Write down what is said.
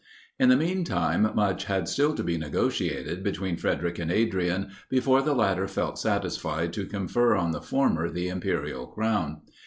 In the mean time, much had still to be negotiated between Frederic and Adrian, before the latter felt satisfied to confer on the former the imperial crown.